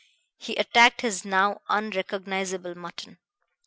He attacked his now unrecognizable mutton.